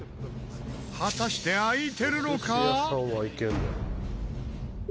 果たして開いてるのか？